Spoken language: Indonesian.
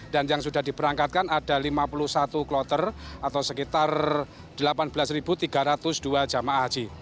dan yang sudah diberangkatkan ada lima puluh satu kloter atau sekitar delapan belas tiga ratus dua jamaah haji